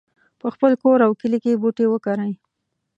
په خپل کور او کلي کې بوټي وکرئ